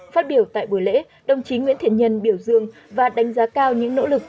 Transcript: phát biểu tại buổi lễ đồng chí nguyễn thiện nhân biểu dương và đánh giá cao những nỗ lực